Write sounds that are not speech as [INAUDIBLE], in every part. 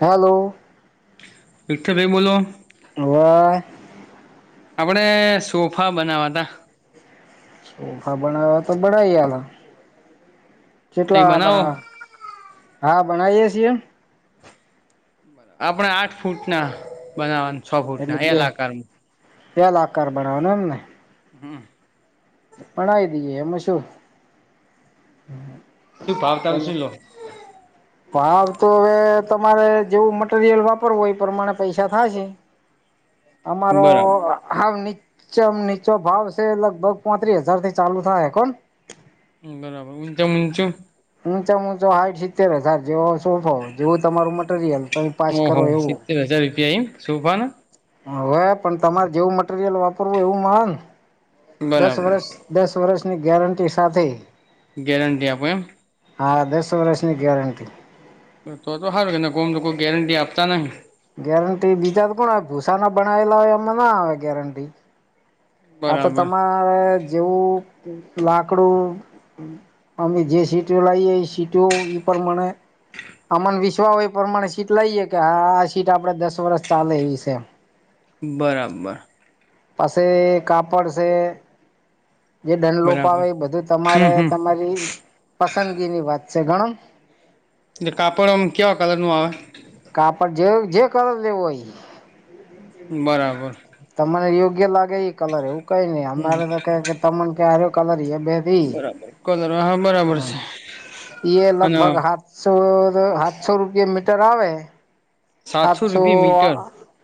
Hello. Vitthal બેન બોલો. [UNINTELLIGIBLE] આપડે સોફા બનાવવાના. સોફા બનાવવા તો બનાઈ આલા તઈ કેટલા બનાવો બનાવવા. હા બનાઈએ છીએ. આપડે આઠ ફૂટ ના બનાવાનું. એટલે બે ત્યાલ આકાર બનાવાનો ને. હમ્મ. બનાઈ દઈએ એમાં શું. શું ભાવતાલ સીલો. ભાવ તો હવે તમારે જેવું મટરિયલ વાપરવું એ પ્રમાણે પૈસા થાય છે. અમારો બરાબર આ હાવ નીચો નીચો ભાવ છે લગભગ પોત્રીસ હજાર થી ચાલુ થહે કોન. હમ્મ બરાબર હું [UNINTELLIGIBLE] મુચો મુંચો હઈટ શીતે વધાર જો છો. [UNINTELLIGIBLE] જેવું તમારું મટીરીયલ તમે પાંચ ઓહો કરો એવું. સિત્તેર હજાર રૂપિયા એમ સોફા ના હવે પણ તમારે જેવું મટીરિયલ વાપરવું એવું મા ન દસ બરાબર વર્ષ દસ વર્ષની ગેરંટી સાથે ગેરેંટી આપો એમ. હા દસ વર્ષની ગેરેન્ટી. તો તો હારુ એના ગોમો લોકો ગેરેન્ટી આપતા નથી. ગેરંટી બીજા તો કોણ આવે ભૂસા ના બનાવેલા હોય એમાં ના આવે ગેરંટી. આ તો બરાબર તમારે જેવું લાકડું અમે જે સીટો લઈએ ઈ સીટો ઈ પણ બને. અમન વિશ્વા હો એ પ્રમાણે સીટ લઈએે કે આ સીટ આપડે દસ વર્ષ ચાલે એવી છે. બરાબર. પસે કાપડ છે. જે દંડ લોપ બરાબર આવે એ બધું હમ તમારે હમ તમારી પસંદગીની વાત છે ગણો. એ કાપડ આમ કેવા કલર નું આવે. કાપડ જે જે કલર લેવું હોય. બરાબર. તમને યોગ્ય લાગે એ કલર એવું કઈ ની હમ અમારે તો કેમ કે તમને ક્યારે કલર યે બે થી બરાબર કલર હા હા બરાબર છે. એ અને લગભગ સાતસો સાતસો રૂપિયાે મીટર આવે. સાતસો રૂપિયા મીટર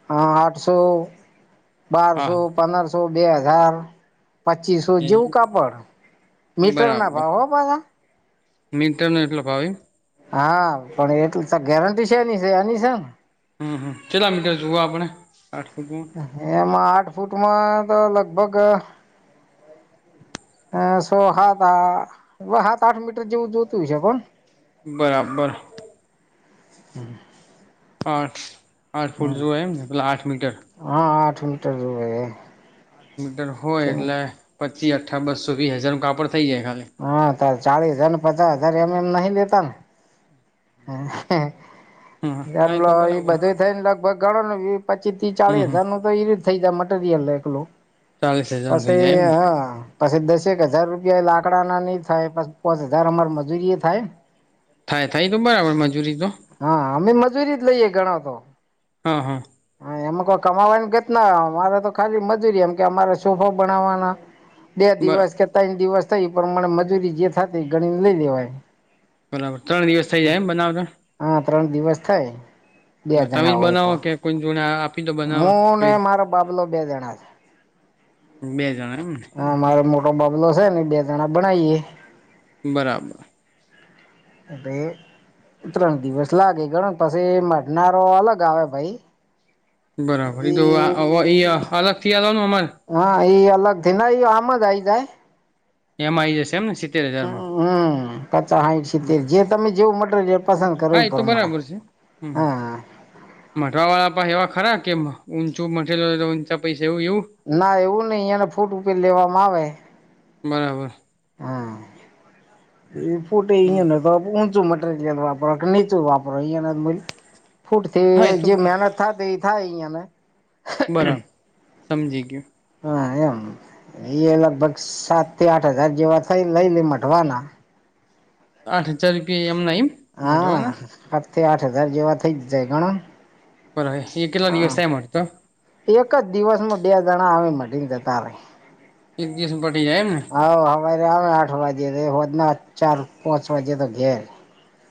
હા આઠસો હા બારસો પંદરસો બે હજાર પચીસો જેવું કાપડ મીટર ના ભાવ હો ભાયા. મીટરના કેટલો ભાવે. હા પણ એટલ તો ગેરંટી છે ની એની છે. હમ્મ હમ કેટલા મીટર જુઓ આપણે આઠ મીટર. એમાં આઠ ફૂટમાં તો લગભગ અ સો સાત આ સાત આઠ મીટર જેવું જોતું હશે કોન બરાબર હમ આઠ આઠ ફૂટ જોએ એમને પેલા આઠ મીટર હા આઠ મીટર જોયે આઠ મીટર હોય એટલે પચી અઠા બસો વીહ હજારનું કાપડ થઈ જાય ખાલી હા ત ચાલીસ હજાર ને પચાસ હજાર એમ એમ નહિ લેતા ને હમ હ હા એલો તો એ બરાબર બધું થઈ ને લગભગ ગણો ને પચીસ થી હમ ચાલીસ હમ હજાર નું તો એ રીત થઈ જાય મટીરિયલ એકલું ચાલીસ હજાર નું થઈ પછી જાય એમ ને હા. પછી દસેક હજાર રૂપિયા લાકડાના ની થાય પછી પાંચ હજાર અમાર મજૂરીએ થાય. થાય થાય તો બરાબર મજૂરી તો હા અમે મજૂરી જ લઈએ ગણો તો હા હા હા એમાં કોઈ કમાવાની ઘટ ના આવે તો ખાલી મજૂરી એમ કે અમારે સોફા બનાવવાના બે બર દિવસ કે ત્રણ દિવસ થઈ પણ મણે મજૂરી જે થાતી ગણીને લઈ લેવાની બરાબર ત્રણ દિવસ થઇ જાય એમ બનાવતા હા ત્રણ દિવસ થાય બે તમે જ જણા હોય બનાવો તો કે કોઈ જોડે આપ હું ને મારો બાબલો બે જણા જ બે જણા એમને હા મારો મોટો બાબલો છે ને બે જણા બનાવીએે બરાબર એ ત્રણ દિવસ લાગે ગને પછી મધનારો અલગ આવે ભાઈ બરાબર તો એ ઈ અલગથી આલવાનું અમારે. હા એ અલગથી એયુ આમાંજ આઈ જાય. એમાં આઈ જશે એમને સિત્તેર હજારમાં. હમ પચાસ સાઠ સિત્તેર જે તમે જેવું મટેરિયલ પસંદ કરો એ હા તો પ્રમાણે. બરાબર હમ. હા મટવા વાળા પછા એવા ખરા કે ઊંચું મટીરિયલ હોય તો ઊંચા પૈસા એવું ખરું ના એવું નઈ એને ફૂટ ઉપર લેવામાં આવે. બરાબર. હા એ ફુટે ઈ ન તો ઉંચું મ. વાપરો કે નીચું વાપરો હા એ તો ફૂટથી મહેનત એ જ થા તે થાય યાને. બરાબર સમજી ગયું. હા એમ એ લગભગ સાત થી આઠ હજાર જેવા થાય લઈ લે મઢવાના. આઠ હજાર રૂપિયા એ એમ ના હીમ. હા સાત થી આઠ હજાર જેવા થઇ જ જાય ગણોનેં બરાબાર એ કેટલા દિવસ થાય મઢતા એક જ દિવસમાં બે જણા આવી મલીને જતા રે એક દિવસ બઢી જાય એમ ને. હા, હરે આમ આઠ વાજે ર હોદના ચાર પાંચ બજે તો ઘેર. [UNINTELLIGIBLE]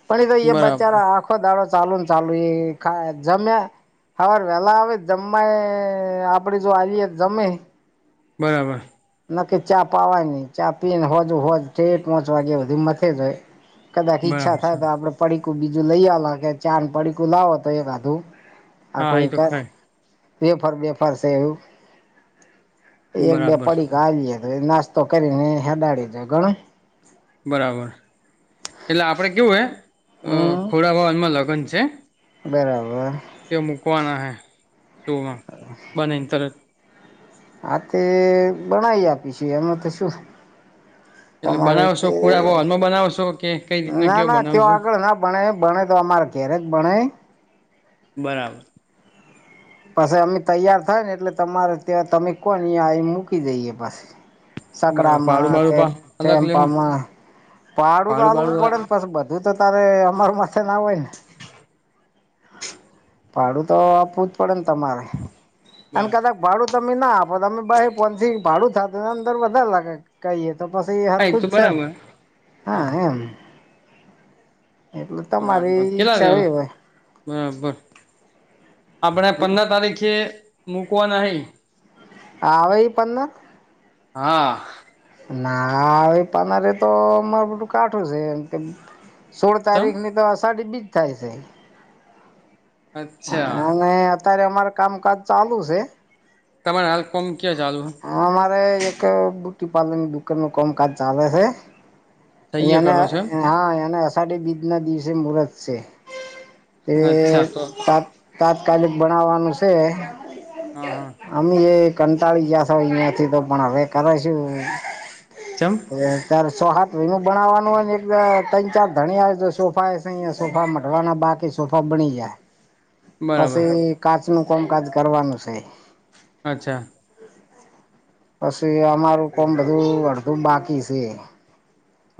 પણ એ તો એ બરાબર બચારા આખો દાડો ચાલુ ને ચાલુ એ જમ્યા. હારાર વેલા આવે જમમા આપડે જો આવીએ જમે. બરાબર. નકી ચા પાવાય નહી ચા પી ને હોજ હો પાંચ વાગે બધી મથે જ હોય. કદાચ ઈચ્છા બરાબર થાય સર તો આપડે. પડીકું બીજું લઈ આવે કે ચાર પડીકું લાવો તો એકાધું આ હા એ કોઈ. તો થાય બેફર બેફર છે એવું એક બે. બરાબર ગાવએ તો નાસ્તો કરીને હડાડી દે ઘણું બરાબર એટલે આપડે કેવું હે હમ ખોડાભવનમાં લગ્ન છે. બરાબર. [UNINTELLIGIBLE] આ તે બનાવી આપી છે એમાં તો શું. એટલે તમારે બનાવશો જે પૂરા હોલમાં બનાવશો કે કઈ રીતના ના કેવો ના તેઓ બનાવશો આગળ ના. ભણે ભણે તો અમારે ક્યારેક ભણે. બરાબર. પછી અમે તૈયાર થાય ને એટલે તમારે ત તમે કોણ અ મૂકી જઈએ પાછ. બરાબર સકડામાં ભાડું બાડું કે પા અલગ લેહો ને ચેમપામાં પાડું તો ભાડું બાડું હલવું બરાબર પડે ને પછ બધા. તું તો તારે અમારું માથે ના હોય ને. પાડું તો આપવું જ પડે ને તમારે અને હા કદા ભાડું તમે ના આપો તમે બ પોનથી ભાડું થતું ને અંદર વધારે લાગે કઈ. તો પછી એ હરખું તો જ છે બરાબર હા એમ. એટલું તો વાંધો મારી કેટલા છે લેવા હોય. બરાબર આપણે પંદર તારીખે મકવાના હ. હવેાઈ પંદ. હા. ના પાનારે તો અમાર બધું કાઠું છે એમ કે. સોળ ચમ તારીખ ની તો અષાઢી બીજ થાય છે અચ્છા અને. અત્યારે અમાર કામકાજ ચાલુ છે. તમારે હાલલ્ કોમ ક્યાં ચાલુ. હા અમારે એક બ્યુટી પાર્લરની દુકાન નું કામકાજ ચાલે છે સહીએ એને કરો છો એમ હા એને અઢ બીજના દિવસે મુરત છે એ અચ્છા તો તો ત તાત્કાલિક બનાવવાનું છે હા હા અમે જે કંટાળી ગયા અિયાયાથી તો પણ હવે કરે છ ચમપ અત્યારે સોહાટ વિનું બનાવાનું હોને એક તણ ચાર ધણિયા સોફા યા સોફા મઢવાના બાકી સોફા બની જાય હ પછી કાચ ન કામકાજ કરવાનું છે અચ્છા પછ અમારું કોણ બધું અડધું બાકી છે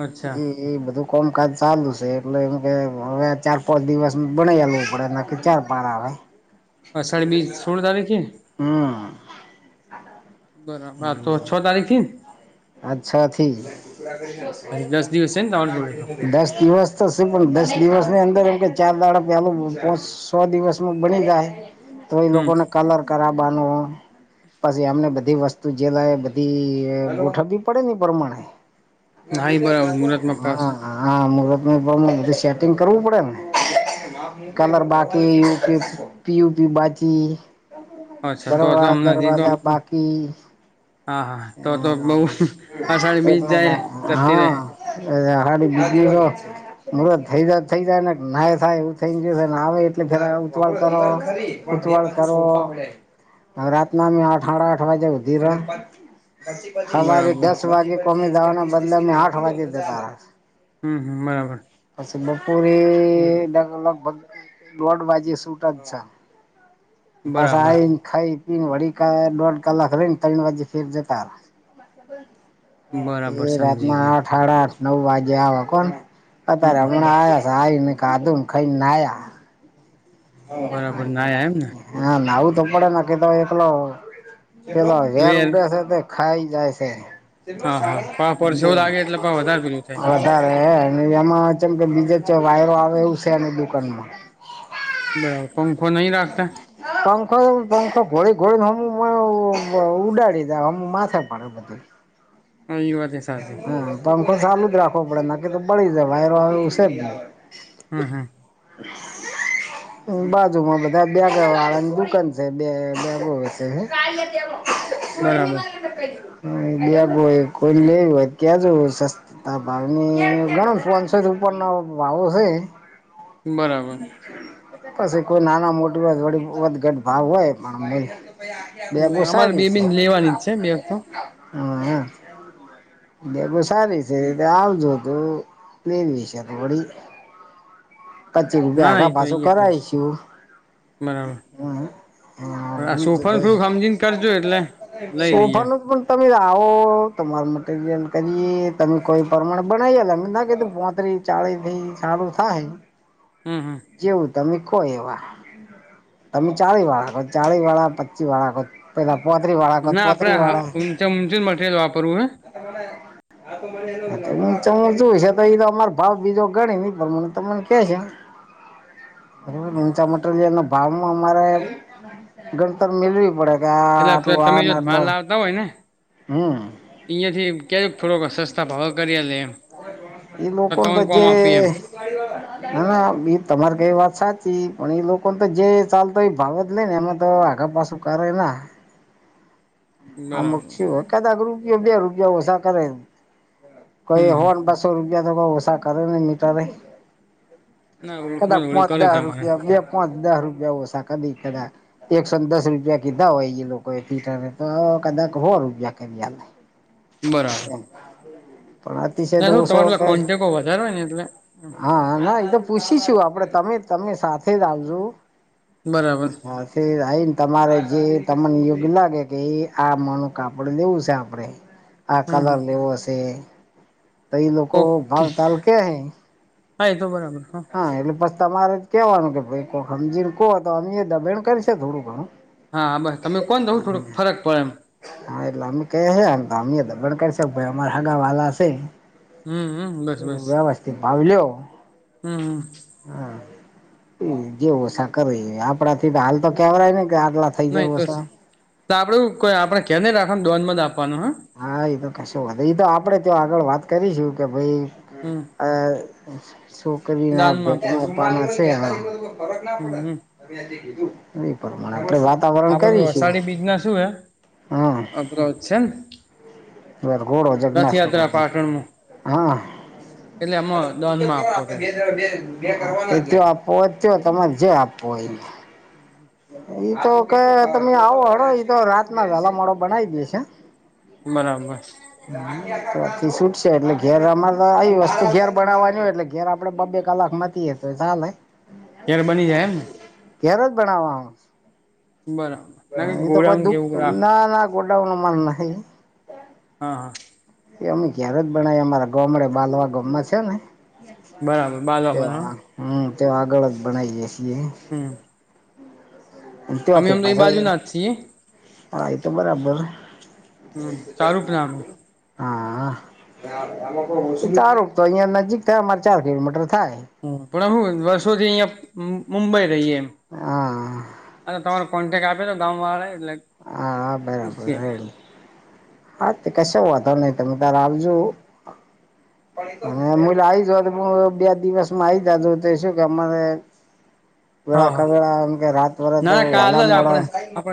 અચ્છા એ એ બધું કમકાજ ચાલુ છે એટલે એમ કે હવે ચાર પાંચ દિવસ બના લવું પડે વિચાર પાાર આવે અષઢ બી સોળ તારીખ હા બરાબર તો છ તારીખ થી ને અચ્છા અથી હજી દસ દિવસ છે ને તમારી જોડે તો દસ દિવસ પણ દસ દિવસ ની અંદર એમ કે ચાર દાણા પેલું સો દિવસમાં બની ગાયય તો એ હમ લોકોને કલર કરાવવાનું પછી એમને બધી વસ્તુ ત જેલા બધી ગોઠવી પડે ને પ્રમાણે હા એ બરાબર મુહૂર્તમાં પાસ હા. હા સેટિંગ કરવું પડેને કલર બાકી કેયી પીયુપી બાજી અચ્છા તો તો દરવા અમને હજી તો દરવાજા બાકી હા હા તો તો બઉ એટલા અષાઢી બીજ જાય જતી ર એ હા બીજ હ થઈ જાય થઈ જાય ને ના થાય એવું થઈ ગ આવે એટલેે ઉતવાળ કર ઉતવળ કરવો ન રાતના અઠાર આઠ વાગે ઉધી ર સવારે બરાબર દસ વાગે કોમી જવાના બદલે અ આઠ વાગે જેતા રહ હમ હમ બરાબર. પછી બપોરી અલગ અલગ દોઢ વાધે સુટ જ છે. બસ આ બરાબર ખાય પીરી ડોઢ ક હા તે બરાબર સમજી રાતના ગયો આઠ સાડા આઠ નવ વાગે આવે કોણ અત્યારે હમ હમણાં આવ્યા. સાહીને કાદમ ખાઈ નાયા. બરાબર નાયા એમ ને હા ના આવું તો પડે ના કીધો એકલો. પેલા હેર વેર ઉડે છે તો ખાઈ જાય છે. હા હા પા પરસેવો જે લાગે એટલે પા વધારે પેલું થાય હા વધારે હ અને એમાં જેમ કે બીજે વાયરો આવે એવું છે એની દુકાનમાં. બરાબર પંખો નહી રાખતા. પંખો પંખો ગોળી ગોળીને હ ઉડાડી દા હમ માથે પાડ આ બધી આ યુવાગેસ. હા પંખો ચાલુ જ રાખવો પડે નકી તો પળી જાય વાયરો આવે એવું છે જને હામ હમ [UNINTELLIGIBLE] બાજુમાં બધા બેગરા વાળાની દુકાન છે બે બેગ હ એ બરાબર દ બય કરી લ એ્યા કેજો ત ભાવની ઘણો ફંસ ઉપરના ભાવો છે. બરાબર. પછી કોઈ નાના મોટી ગટ ભાવ હોય પણ બેગુસાય અમારે બ છે બેબીને લેવાની જ છે બે તો હા એમ. બેું સારી છે રીતે આવજ તું પન વિશે તો વડી પચીસ રૂપિયા ના આખા એ તો પાછું એ કરશે કરાવીશું. બરાબર. હા હા આ બીજું સોફર ફૂ કશું સમજીને કરજો એટલે લઈ લઈએે એમ. સોફાનું પણ તમે આવો તમારું મટીરિયલ કરીએ તમે કોઈ પ્રમાણે બનાવીએ અમે ના કધું પોતરી ચાળી ભી ચારું થાય. હમ હમ. જેવું તમે કો એવા. તમે ચાવી વાળાો ચાવિ વાળા પચી વાળા કો. પોતરી વાળકો ના આપડે પોતરી વાળ હ ઊંચ ઊંચું મટીરિયલ વાપરવું છું છે તો એ તો અમાર ભાવ બીજો ગણી નહી પણ તમને કે છે ઉચા માટે. પે્રોલય ના ભાવમાં અમારે ગણતર મેલવી પડે કે આ આટલું આ આટ હોવે ને. હમ. અહિયાંથી ક્યારેક થોડોક સસ્તા ભાવ કરી યારે. એ લોકો ને જે. એમ ના ના એ તમારે કઈ વાત સાચી પણ એ લોકોને તો જે ચાલતો એ ભાવ જ લે ને એમાં તો આગા પાસું કરે ના અમુક બરાબર થયું હોય કદાક રૂપીયો બે રૂપિયા ઓછા કરે એમ હમ કઈ હો હમ ને બસો સો રૂપિયા તો બ ઓ સાસા કરે ને મીટર લય ના કદા ઓળખાણ ઓળી પાચ કરે દારુ તમારે પીયા બે પાચ દહ રૂપિયા ઓછા કદી કદા એકસો ને દસ રૂપિયા કીધા હોય એ લોકો એ પીટર એ. તો કદાક હો રૂપિયા કરિયારે બરાબર પણ. અતિશય ના તો તમારા પેલા કોન્ટેક્ટ વધારે ને એટલે હા હા ના એતો પૂછીશું આપડે તમે તમે સાથે જ આવજો. બરાબર હા તે આઈને તમારે જે તમને યોગ્ય લાગે કે આ માંનું કાપડ લેવું સે આપડે આ હમ કલર હમ લેવો સે. તો ઈ લોકો ઓકે ભાવતાલ કે હી. હા એતો બરાબર. હા એટલે પસ તમારે જ કેવાનું કે ભાઈ કોક હમજીને કો તો અમે એ દબેણ કરી છે થોડું ઘણું. હા બસ તમે કોન તોય થોડુંક ફરક પડે એમ. હા એટલે અમે કહીએ હે એમ તો અમે દબણ કરશે કે ભાઈ અમાર હગા વાલા સે. હમ હમ બસ એટલે વ્યવસ્થિત ભાવ લ્યો. હમ હમ હા જે ઓસા કરે ઈ આપડાથી તો હાલ તો કેવરાઈ નહીં કે આટલા થઈ ના જાય ઈતો સે ઓછા તો આપડે હું કોઈ આપણે કે નહીં ને આ રાખવા દોન જ આપવાનું હા. હા એતો કશું વાંધો ઈતો આપડે ત્યાં આગળ વાત કરીશું કે ભઈ હમ અ સોકરીના ભેટમાં આપવાનું છે હહ ફરક ના હમ પડે હમ ને [INAUDIBLE] કીધું ઈ પ્રમાણે આપણે વાત વાતાવરણ આપડે કરીશું હા બરાબર છે ન? વરઘોડો જગન્નાથ ભગવાનનો પાટણમાં હા એટલે અરે આમાં દોનમાં [INAUDIBLE] આપવો આપણે છે બે જણા બે જ એ તો આપવો હોય તો કયો તમારે જે આપવો હોય ઈ. હમ હમ ઈ તો કે તમે આવો હેડો ઈતો રાતના વેલા મોડો બનાઈ દેશે. બરાબર. હમ તોથી સુટ છે એટલે ઘેર અમારે તો આઈ વસ્તુ ઘેર બનાવાની હોય એટલે ઘેર આપડે બબે કલાક મથ તી એ તો ચાલે. ઘેર બની જાય એમને? ઘેર જ બણાવાનું બરાબર ના હહ એ તો કોઈ ગોડાઉન દુખ કેવું રાખ ના ના ગોડાઉનનો માલ નાખે હે? હહ હહ એ અમે ઘેર જ બણાઈ અમારા ગોમડે બાલવા ગોમમાં છે ને. બરાબર બાલા તે બરા હમ તે આગળ જ બનાઈએ છીએ. હમ અમે ત્યાંથી ઓમ તો ઈ પાસે બાજુના જ છીએ. હા એ તો બરાબર. હમ સારું જ [INAUDIBLE] હા [INAUDIBLE] સારું તો અહિયાં નજીક થાય અમારે ચાર કિલોમીટર થાય. હમ પણ હું વર્ષોથી ઈયાં મુંબઈ રહીએ એમ. હા અને તમારો કોન્ટેક આપ્યો તો ગામવાળાએ એટલે હા બરાબર પુસીએ. રેડી હા તે કશો વોધો નહીં તમે કાલ આવજો. હ હુંલા આવી જાય તો મું બે દિવસમાં આઈ જાજો તે શું કે અમારે તું હા આ હા કર આમ કે રાત પડે તો ના કાલ વેલા જ મોડા. આપણે આપડે